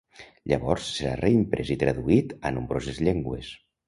Llavors serà reimprès i traduït a nombroses llengües.